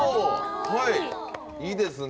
いいですね。